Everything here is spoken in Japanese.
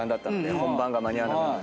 本番が間に合わなくなる。